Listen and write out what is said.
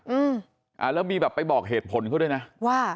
อืมอ่าแล้วมีแบบไปบอกเหตุผลเขาด้วยนะว่า